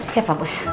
siap pak bos